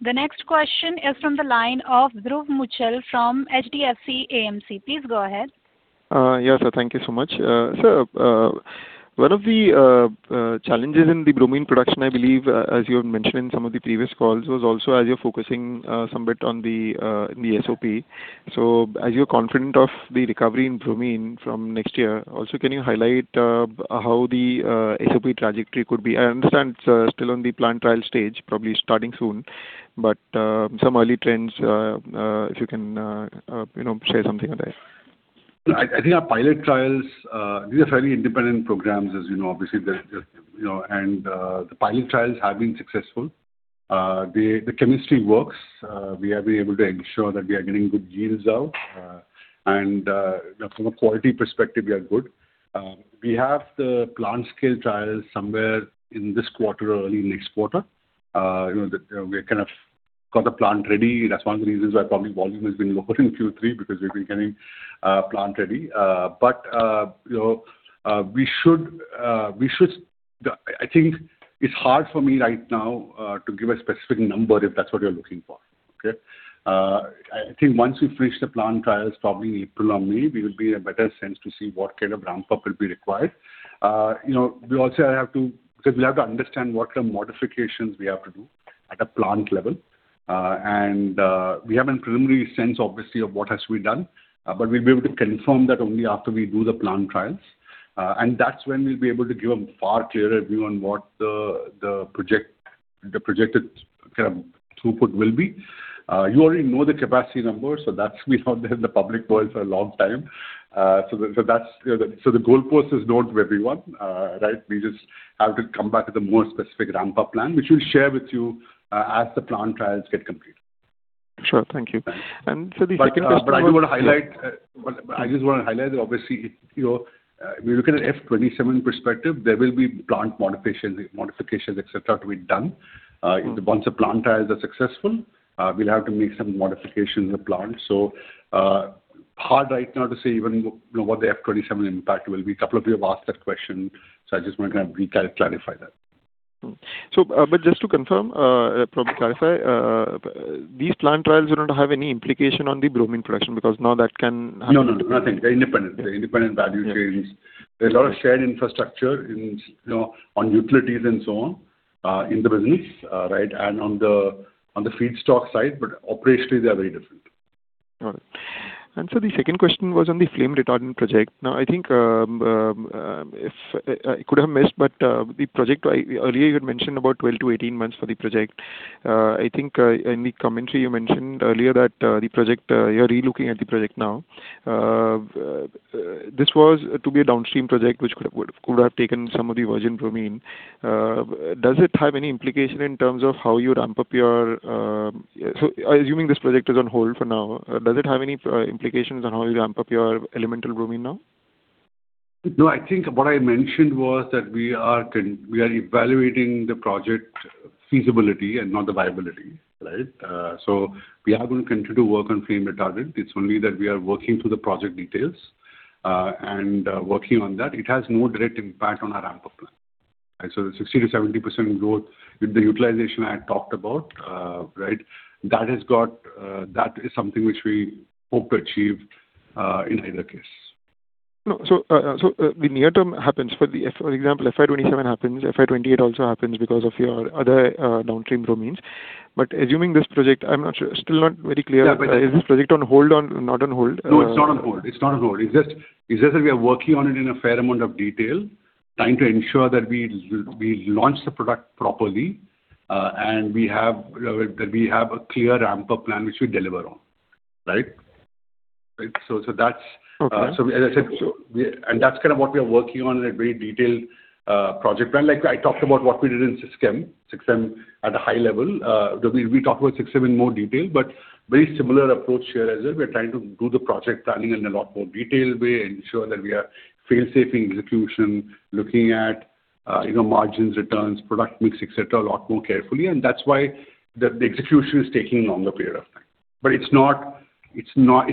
The next question is from the line of Dhruv Muchhal from HDFC AMC. Please go ahead. Yes, sir. Thank you so much. Sir, one of the challenges in the bromine production, I believe, as you have mentioned in some of the previous calls, was also as you're focusing somewhat on the SOP. So as you're confident of the recovery in Bromine from next year, also, can you highlight how the SOP trajectory could be? I understand it's still on the plant trial stage, probably starting soon, but some early trends, if you can share something on that. I think our pilot trials—these are fairly independent programs, as you know, obviously. The pilot trials have been successful. The chemistry works. We have been able to ensure that we are getting good yields out. From a quality perspective, we are good. We have the plant-scale trials somewhere in this quarter or early next quarter. We have kind of got the plant ready. That's one of the reasons why probably volume has been lower in Q3 because we've been getting plant ready. But we should. I think it's hard for me right now to give a specific number if that's what you're looking for, okay? I think once we finish the plant trials, probably in April or May, we will be in a better sense to see what kind of ramp-up will be required. We also have to because we'll have to understand what kind of modifications we have to do at a plant level. We have a preliminary sense, obviously, of what has to be done. But we'll be able to confirm that only after we do the plant trials. And that's when we'll be able to give a far clearer view on what the projected kind of throughput will be. You already know the capacity numbers. So that's been out there in the public world for a long time. So the goalpost is known to everyone, right? We just have to come back to the more specific ramp-up plan, which we'll share with you as the plant trials get completed. Sure. Thank you. And so the second question was. I just want to highlight that, obviously, if we look at an FY 2027 perspective, there will be plant modifications, etc., to be done. Once the plant trials are successful, we'll have to make some modifications in the plant. So hard right now to say even what the FY 2027 impact will be. A couple of you have asked that question. So I just want to kind of recalibrate, clarify that. But just to confirm, probably clarify, these plant trials are going to have any implication on the bromine production because now that can happen? No, no, no. Nothing. They're independent. They're independent value chains. There's a lot of shared infrastructure on utilities and so on in the business, right, and on the feedstock side. But operationally, they are very different. Got it. And so the second question was on the flame-retardant project. Now, I think if I could have missed, but the project earlier, you had mentioned about 12-18 months for the project. I think in the commentary, you mentioned earlier that the project you're relooking at the project now; this was to be a downstream project which could have taken some of the virgin bromine. Does it have any implication in terms of how you ramp up your SOP assuming this project is on hold for now? Does it have any implications on how you ramp up your elemental bromine now? No, I think what I mentioned was that we are evaluating the project feasibility and not the viability, right? So we are going to continue to work on flame-retardant. It's only that we are working through the project details and working on that. It has no direct impact on our ramp-up plan, right? So the 60%-70% growth, the utilization I had talked about, right, that is something which we hope to achieve in either case. So the near-term happens. For example, FY 2027 happens. FY 2028 also happens because of your other downstream bromines. But assuming this project, I'm still not very clear whether is this project on hold or not on hold. No, it's not on hold. It's not on hold. It's just that we are working on it in a fair amount of detail, trying to ensure that we launch the product properly and that we have a clear ramp-up plan which we deliver on, right? So that's so as I said, and that's kind of what we are working on in a very detailed project plan. I talked about what we did in SiCSem, SiCSem at a high level. We talked about SiCSem in more detail, but very similar approach here as well. We are trying to do the project planning in a lot more detail. We ensure that we are fail-safing execution, looking at margins, returns, product mix, etc., a lot more carefully. And that's why the execution is taking a longer period of time. But it's very much on. It's not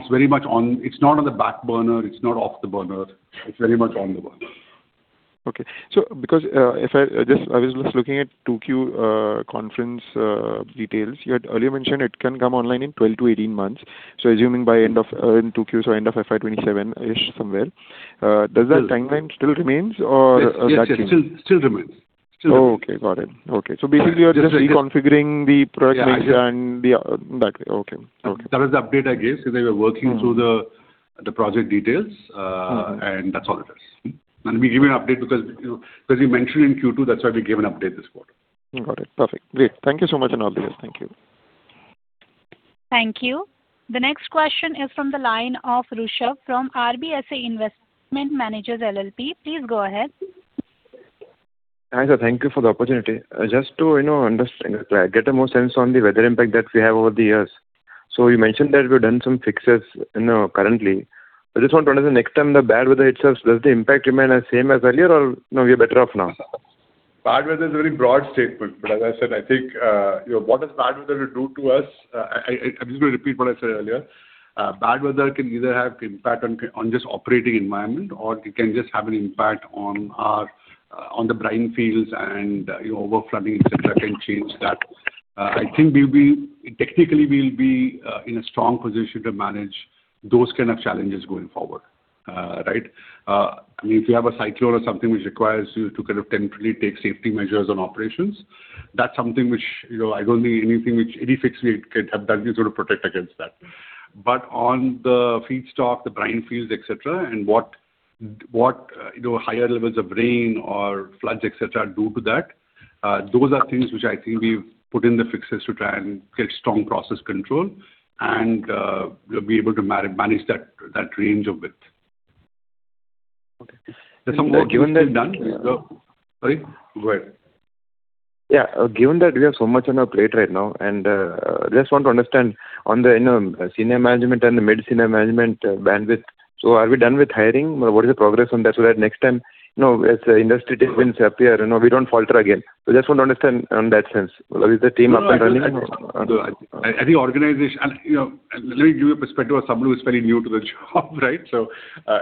on the back burner. It's not off the burner. It's very much on the burner. Okay. So because I was just looking at 2Q conference details, you had earlier mentioned it can come online in 12-18 months. So assuming by end of in 2Q, so end of FY 2027-ish somewhere, does that timeline still remains, or is that changed? Yes, yes. It still remains. Still remains. Oh, okay. Got it. Okay. So basically, you're just reconfiguring the product mix and that way. Okay. Okay. That is the update, I guess, is that we are working through the project details. That's all it is. We give you an update because we mentioned in Q2, that's why we gave an update this quarter. Got it. Perfect. Great. Thank you so much and all the best. Thank you. Thank you. The next question is from the line of Rushabh from RBSA Investment Managers, LLP. Please go ahead. Hi, sir. Thank you for the opportunity. Just to get a more sense on the weather impact that we have over the years. So you mentioned that we've done some fixes currently. I just want to understand next time, the bad weather itself, does the impact remain the same as earlier, or now we are better off now? Bad weather is a very broad statement. But as I said, I think what does bad weather do to us? I'm just going to repeat what I said earlier. Bad weather can either have an impact on just operating environment, or it can just have an impact on the brine fields and overflooding, etc., can change that. I think technically, we'll be in a strong position to manage those kind of challenges going forward, right? I mean, if you have a cyclone or something which requires you to kind of temporarily take safety measures on operations, that's something which I don't think anything which any fix we could have done is going to protect against that. But on the feedstock, the brine fields, etc., and what higher levels of rain or floods, etc., do to that, those are things which I think we've put in the fixes to try and get strong process control and be able to manage that range of width. Okay. Given that. Is that something we've done? Sorry? Go ahead. Yeah. Given that we have so much on our plate right now, and I just want to understand on the senior management and the mid-senior management bandwidth, so are we done with hiring? What is the progress on that? So that next time, as the industry techniques appear, we don't falter again. So I just want to understand in that sense. Is the team up and running? I think organizationally and let me give you a perspective of someone who is fairly new to the job, right? So I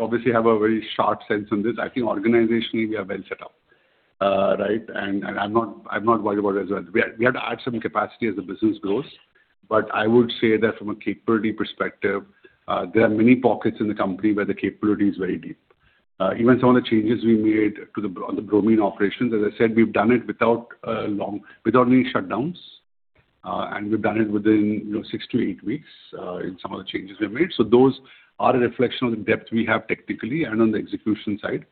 obviously have a very sharp sense on this. I think organizationally, we are well set up, right? And I'm not worried about it as well. We have to add some capacity as the business grows. But I would say that from a capability perspective, there are many pockets in the company where the capability is very deep. Even some of the changes we made on the bromine operations, as I said, we've done it without any shutdowns. And we've done it within six to eight weeks in some of the changes we have made. So those are a reflection of the depth we have technically and on the execution side.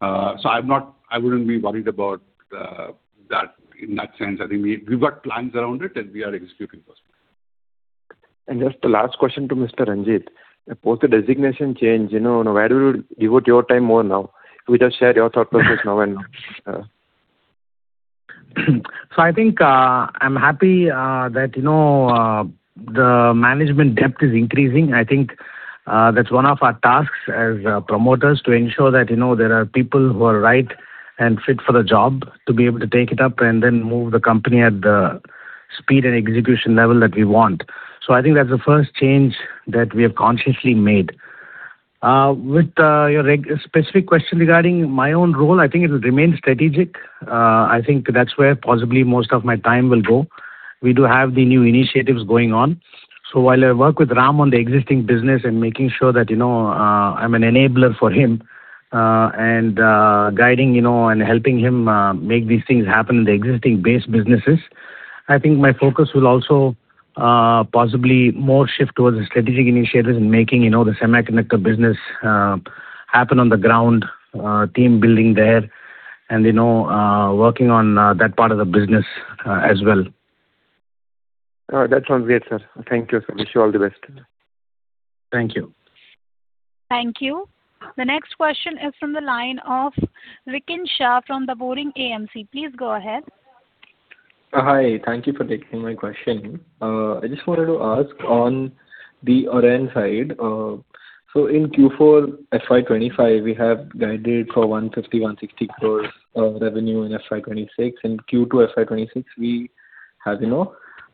So I wouldn't be worried about that in that sense. I think we've got plans around it, and we are executing those plans. Just the last question to Mr. Ranjit. Post the designation change, why do we devote your time more now? If we just share your thought process now and now. So I think I'm happy that the management depth is increasing. I think that's one of our tasks as promoters to ensure that there are people who are right and fit for the job to be able to take it up and then move the company at the speed and execution level that we want. So I think that's the first change that we have consciously made. With your specific question regarding my own role, I think it will remain strategic. I think that's where possibly most of my time will go. We do have the new initiatives going on. So while I work with Ram on the existing business and making sure that I'm an enabler for him and guiding and helping him make these things happen in the existing base businesses, I think my focus will also possibly more shift towards the strategic initiatives and making the semiconductor business happen on the ground, team building there, and working on that part of the business as well. That sounds great, sir. Thank you, sir. Wish you all the best. Thank you. Thank you. The next question is from the line of Rikin Shah from The Boring AMC. Please go ahead. Hi. Thank you for taking my question. I just wanted to ask on the Oren side. So in Q4, FY 2025, we have guided for 150 crore-160 crore revenue in FY 2026. In Q2, FY 2026, we have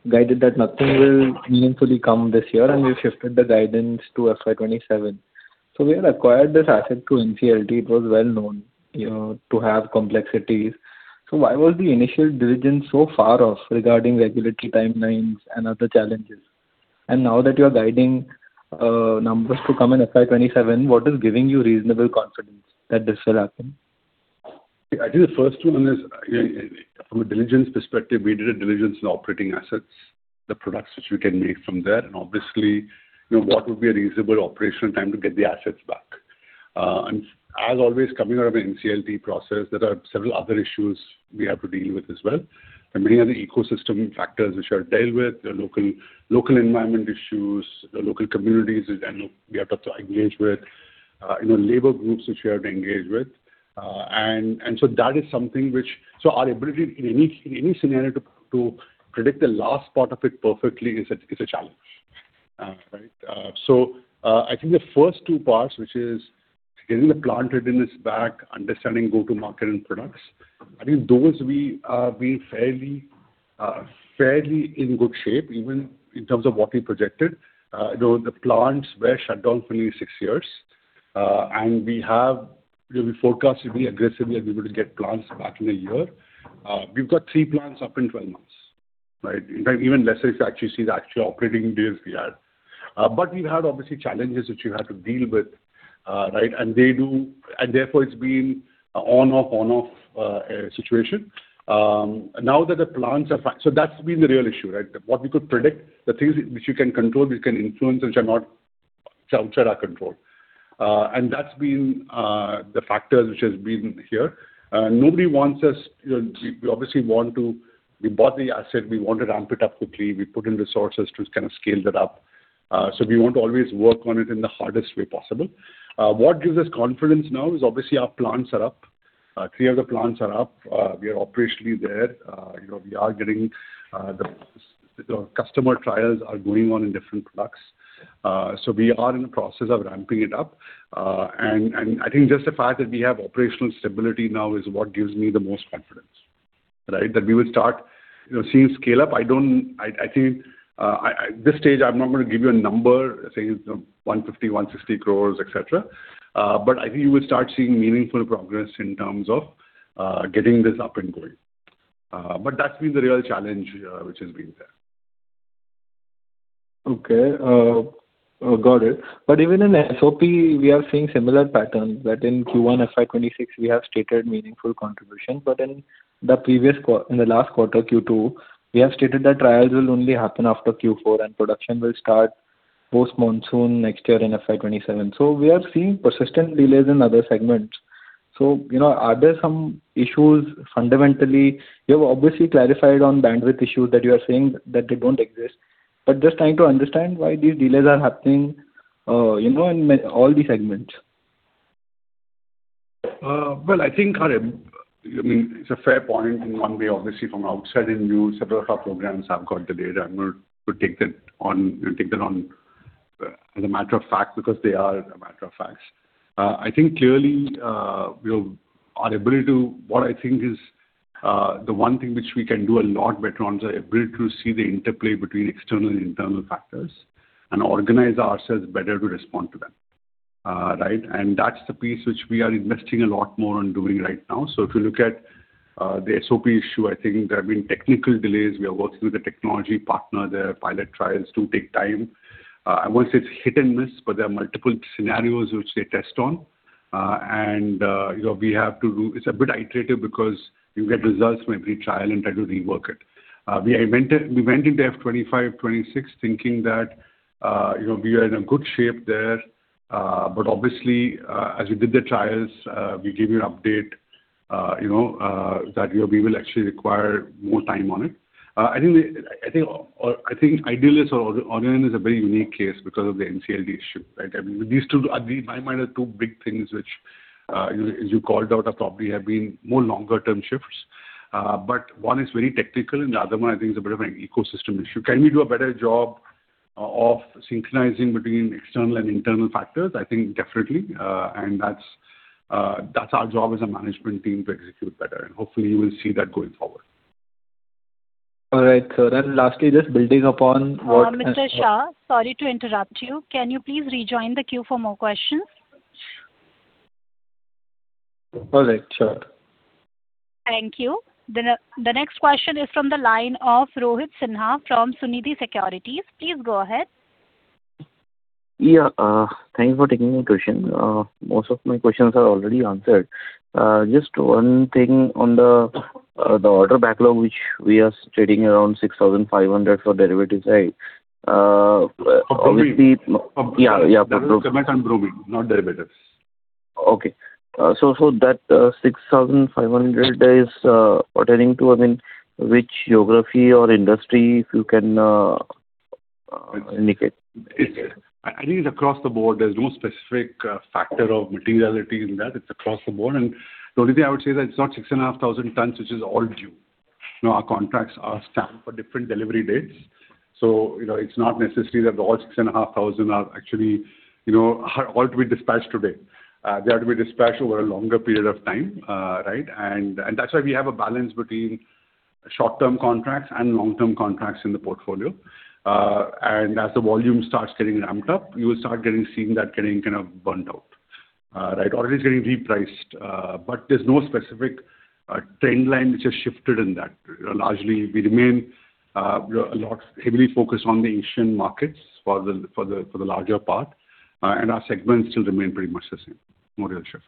guided that nothing will meaningfully come this year, and we've shifted the guidance to FY 2027. So we had acquired this asset through NCLT. It was well known to have complexities. So why was the initial diligence so far off regarding regulatory timelines and other challenges? And now that you are guiding numbers to come in FY 2027, what is giving you reasonable confidence that this will happen? I think the first one is from a diligence perspective, we did a diligence in operating assets, the products which we can make from there. Obviously, what would be a reasonable operational time to get the assets back? As always, coming out of an NCLT process, there are several other issues we have to deal with as well. There are many other ecosystem factors which are dealt with, local environment issues, local communities we have to engage with, labor groups which we have to engage with. So that is something which so our ability in any scenario to predict the last part of it perfectly is a challenge, right? So I think the first two parts, which is getting the plant readiness back, understanding go-to-market and products, I think those we are being fairly in good shape even in terms of what we projected. The plants were shut down for nearly six years. We forecast it would be aggressively that we would get plants back in a year. We've got three plants up in 12 months, right? In fact, even lesser if you actually see the actual operating deals we had. We've had, obviously, challenges which we've had to deal with, right? Therefore, it's been an on-off, on-off situation. Now that the plants are fine so that's been the real issue, right? What we could predict, the things which you can control, which you can influence, which are not outside our control. That's been the factors which have been here. Nobody wants us. We obviously want to. We bought the asset. We want to ramp it up quickly. We put in resources to kind of scale that up. So we want to always work on it in the hardest way possible. What gives us confidence now is, obviously, our plants are up. Three of the plants are up. We are operationally there. We are getting the customer trials are going on in different products. So we are in the process of ramping it up. And I think just the fact that we have operational stability now is what gives me the most confidence, right, that we will start seeing scale-up. I think at this stage, I'm not going to give you a number saying 150 crore-160 crore, etc. But I think you will start seeing meaningful progress in terms of getting this up and going. But that's been the real challenge which has been there. Okay. Got it. But even in SOP, we are seeing similar patterns that in Q1, FY 2026, we have stated meaningful contribution. But in the last quarter, Q2, we have stated that trials will only happen after Q4, and production will start post-monsoon next year in FY 2027. So we are seeing persistent delays in other segments. So are there some issues fundamentally? You have obviously clarified on bandwidth issues that you are saying that they don't exist. But just trying to understand why these delays are happening in all these segments. Well, I think I mean, it's a fair point in one way, obviously, from outside. And several of our programs have got the data. I'm going to take that on as a matter of fact because they are a matter of facts. I think clearly, our ability to what I think is the one thing which we can do a lot better on is our ability to see the interplay between external and internal factors and organize ourselves better to respond to them, right? And that's the piece which we are investing a lot more on doing right now. So if you look at the SOP issue, I think there have been technical delays. We are working with a technology partner. Their pilot trials do take time. I won't say it's hit and miss, but there are multiple scenarios which they test on. We have to do it; it's a bit iterative because you get results from every trial and try to rework it. We went into FY 2025, FY 2026 thinking that we are in a good shape there. But obviously, as we did the trials, we gave you an update that we will actually require more time on it. I think Idealis or Oren is a very unique case because of the NCLT issue, right? I mean, these two in my mind are two big things which, as you called out, are probably have been more longer-term shifts. But one is very technical, and the other one, I think, is a bit of an ecosystem issue. Can we do a better job of synchronizing between external and internal factors? I think definitely. And that's our job as a management team to execute better. And hopefully, you will see that going forward. All right. So then lastly, just building upon what. Mr. Shah, sorry to interrupt you. Can you please rejoin the queue for more questions? All right. Sure. Thank you. The next question is from the line of Rohit Sinha from Sunidhi Securities. Please go ahead. Yeah. Thanks for taking my question. Most of my questions are already answered. Just one thing on the order backlog which we are trading around 6,500 tons for derivatives side. Obviously. Probably. Yeah, yeah. Elemental bromine, not derivatives. Okay. So that 6,500 tons is pertaining to, I mean, which geography or industry if you can indicate? I think it's across the board. There's no specific factor of materiality in that. It's across the board. And the only thing I would say is that it's not 6,500 tons which is all due. Our contracts are stamped for different delivery dates. So it's not necessary that all 6,500 tons are actually all to be dispatched today. They are to be dispatched over a longer period of time, right? And that's why we have a balance between short-term contracts and long-term contracts in the portfolio. And as the volume starts getting ramped up, you will start seeing that getting kind of burnt out, right? Or it is getting repriced. But there's no specific trendline which has shifted in that. Largely, we remain heavily focused on the Asian markets for the larger part. And our segments still remain pretty much the same. No real shift.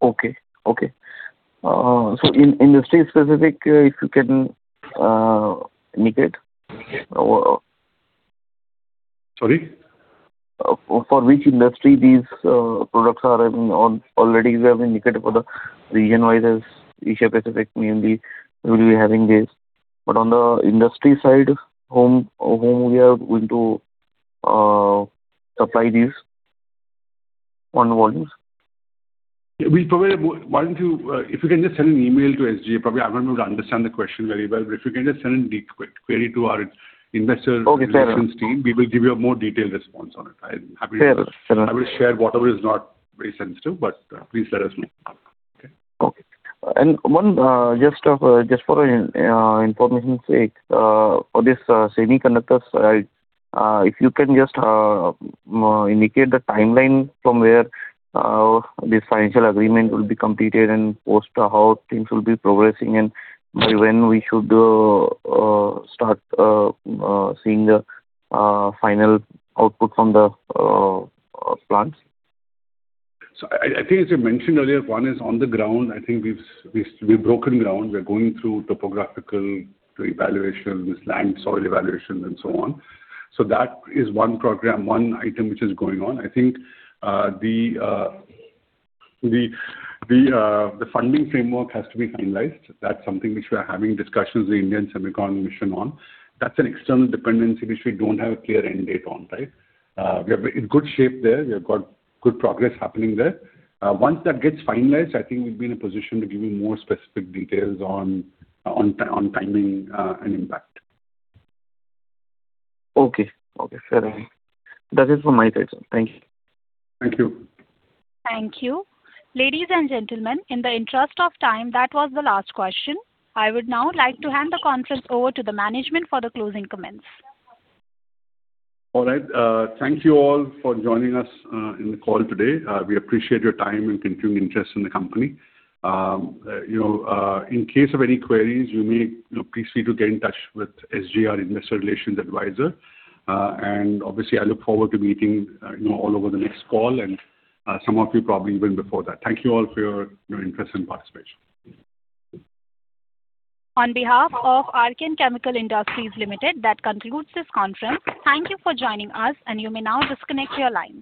Okay. Okay. So, industry-specific, if you can indicate. Sorry? For which industry these products are already? Do you have any indicator for the region-wise as Asia Pacific, mainly, will we be having these? But on the industry side, whom we are going to supply these on volumes? Yeah. Why don't you, if you can, just send an email to SGA. Probably, I'm not able to understand the question very well. But if you can just send a query to our investor relations team, we will give you a more detailed response on it. I'm happy to. Fair, fair enough. I will share whatever is not very sensitive. But please let us know. Okay? Okay. Just for information's sake, for these semiconductors, if you can just indicate the timeline from where this financial agreement will be completed and post how things will be progressing and by when we should start seeing the final output from the plants? So I think as you mentioned earlier, one is on the ground. I think we've broken ground. We're going through topographical evaluations, land soil evaluations, and so on. So that is one program, one item which is going on. I think the funding framework has to be finalized. That's something which we are having discussions with the India Semiconductor Mission on. That's an external dependency which we don't have a clear end date on, right? We are in good shape there. We have got good progress happening there. Once that gets finalized, I think we'll be in a position to give you more specific details on timing and impact. Okay. Okay. Fair enough. That is from my side, sir. Thank you. Thank you. Thank you. Ladies and gentlemen, in the interest of time, that was the last question. I would now like to hand the conference over to the management for the closing comments. All right. Thank you all for joining us in the call today. We appreciate your time and continuing interest in the company. In case of any queries, you may please feel free to get in touch with SGA, Investor Relations Advisor. Obviously, I look forward to meeting all over the next call and some of you probably even before that. Thank you all for your interest and participation. On behalf of Archean Chemical Industries Limited, that concludes this conference. Thank you for joining us. You may now disconnect your lines.